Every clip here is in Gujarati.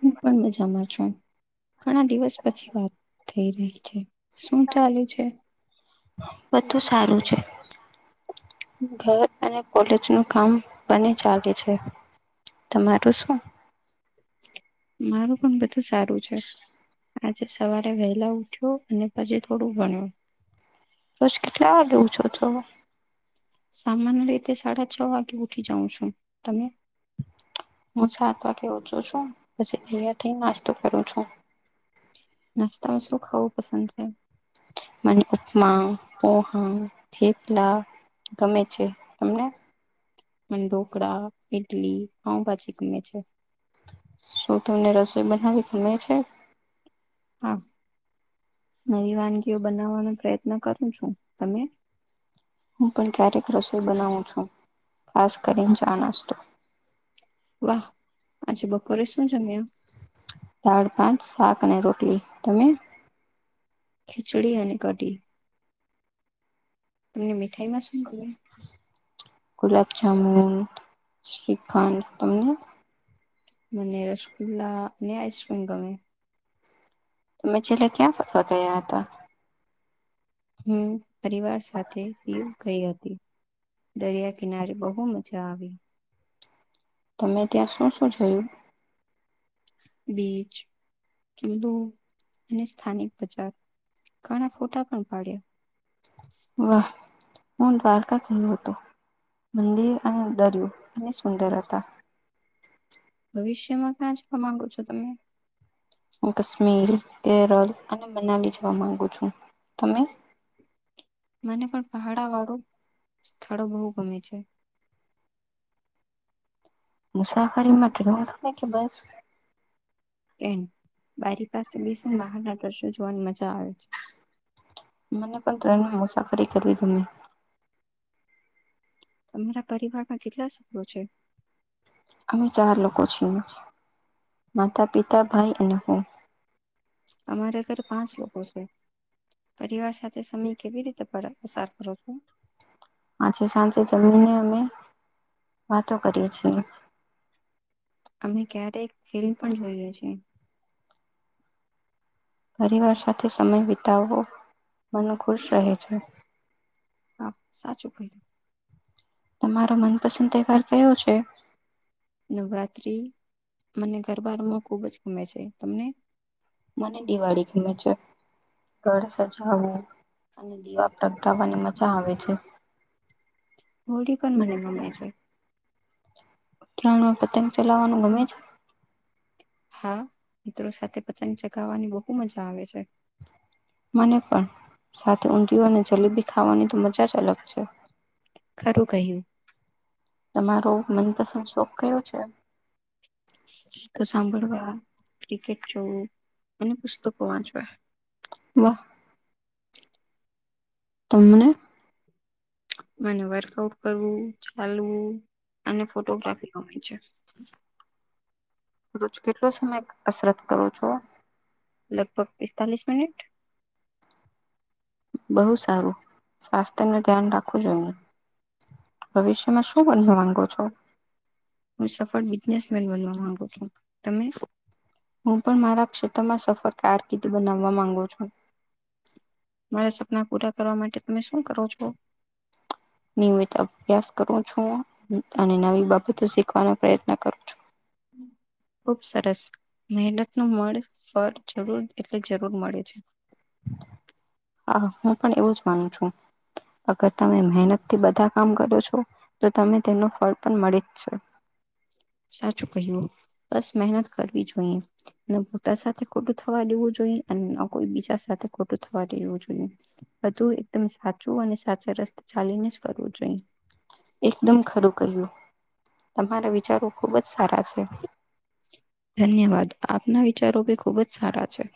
હું પણ મજામાં છું. ઘણા દિવસ પછી વાત થઈ રહી છે. શું ચાલે છે? વધુ સારું છે? ઘર અને કોલેજ નું કામ બને ચાલે છે, તમારું શું? મારું પણ બધું સારું છે, આજે સવારે વહેલા ઉઠ્યો અને પછી થોડું ભણ્યું. બસ કેટલા વાગે ઉઠો છો? સામાન્ય રીતે સાડા છ વાગે ઉઠી જાઉં છું, તમે? [unintelligible] નાસ્તામાં શું ખાવું પસંદ કરે? મને ઉપમા, પોહા, થેપલા ગમે છે, તમને? મને ઢોકળા, ઈડલી, પાઉભાજી ગમે છે. શું તમને રસોઈ બનાવુ ગમે છે? હા. નવી વાનગીઓ બનાવવાનો પ્રયત્ન કરું છું, તમે? હું પણ ક્યારેક રસોઈ બનાવું છું, ખાસ કરીને ચા, નાસ્તો. વાહ, આજે બપોરે શું જમ્યા? દાળ-ભાત, શાક અને રોટલી, તમે? ખિચડી અને કાઢી. તમને મીઠાઈ માં શું ગમે? ગુલાબ જામુન શ્રીખંડ તમને મને રસગુલ્લા અને આઈશ્વન ગમે તમે છેલ્લે ક્યાં ફવા ગયા હતા હું પરિવાર સાથે દીવ ગઈ હતી દરિયા કિનારે બહુ મજા આવી તમે ત્યાં શું શું જોયું બીજ કધું અને સ્થાનિક બજાર ઘણા ફોટા પણ પાડ્યા વાહ હું દ્વારકા કેવું હતોું મંદિર અને દરિયો એને સુંદર હતા ભવિષ્યમાં ક્યાં જવા માંગો છો તમે હું કાશ્મીર કેરળ અને મનાલી જવા માંગુ છું તમે મને પણ પહાડા વાળું સ્થળો બહુ ગમે છે મુસાફરીમાં ટ્રેન ગમે કે બસ બરી પાસે બેસી બહારના દ્રશ્યો જોવાની મજા આવે છે મને પણ ત્રણ મુસાફરી કરવી તમે તમારા પરિવારમાં કેટલા સભ્યો છે અમે ચાર લોકો છીએ માતા પિતા ભાઈ અને હું અમારે ઘર પાંચ લોકો છે પરિવાર સાથે સમય કેવી રીતે પર પસાર કરો છો પાછ સાંજે જમીને અમે વાતો કરીએ છીએ અમે ક્યારે એક ફિલ્મ પણ જોઈએ છીએ પરિવાર સાથે સમય વિતાવવો મન ખુશ રહે છે હા સાચું ક્યું તમારો મનપસંદ તહેવાર કયો છે નવરાત્રી મને ઘરબારમાં ખુબ જ ગમે છે તમને મને દિવાળી ગમે છે ઘળ સજાવું અને દીવા પ્રગટાવવાની મજા આવે છે હોળી પણ મને ગમે છે ઉત્તરાયણમાં પતંગ ચલાવવાનું ગમે છે હા મિત્રો સાથે પતંગ ચગાવવાની બહુ મજા આવે છે મને પણ સાથે ઊંધિય અને જલેબી ખાવાની તો મજા જ અલગ છે ખરું કહ્યું તમારો મનપસંદ શોખ કયો છે તો સાંભળવા ક્રિકેટ જોવું અને પુસ્તકો વાંચવા વાહ તમને મને વર્કઆઉટ કરવું ચાલવું અને ફોટોગ્રાફી કય છે રોજ કેટલો સમય કસરત કરું છો લગભગ પિસ્તાલીસ મિનિટ બહુ સારું સ્વાસ્થ્ય નું ધ્યાન રાખું છો એને ભવિષ્યમાં શું બનવા માંગો છો હું સફળ બિઝનેસ મેન બનવા માંગુ છું તમે હું પણ મારા ક્ષેત્રમાં સફર કારકિર્દ બનાવવા માંગુ છું મારા સપના પૂરા કરવા માટે તમે શું કરો છો [inaudible] નિયમિત અભ્યાસ કરું છું અને નવી બાબતો શીખવાનો પ્રયત્ન કરું છું હમ ખૂબ સરસ મહેનતનું મળ ફળ જરૂર એટલે જરૂર મળે છે હા હું પણ એવું જ માનું છું અગર તમે મહેનતથી બધા કામ કરો છો તો તમે તેનું ફળ પણ મળી જ છે. સાચું કહ્યું બસ મહેનત કરવી જોઈએ. ન પોતા સાથે ખોટું થવા દેવું જોઈએ અને ન કોઈ બીજા સાથે ખોટું થવા દેવું જોઈએ. બધું એકદમ સાચું અને સાચે રસ્તા ચાલીને જ કરવું જોઈએ. એકદમ ખરું કહ્યું તમારા વિચારો ખુબ જ સારા છે. ધન્યવાદ આપના વિચારો ભી ખુબ જ સારા છે.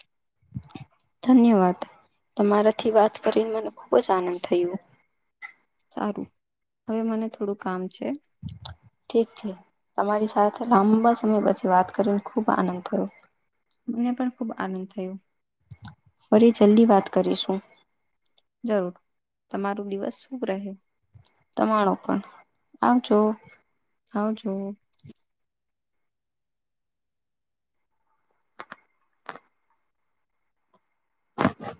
ધન્યવાદ. તમારાથી વાત કરીને મને ખૂબ જ આનંદ થયું. સારું હવે મને થોડું કામ છે. ઠીક છે તમારી સાથે [inaudible] તે વાત કરીને ખૂબ આનંદ થયો. મને પણ ખૂબ આનંદ થયો. ફરી જલ્દી વાત કરીશું. જરૂર. તમારું દિવસ શુભ રહે. તમારો પણ આવજો. આવજો. હ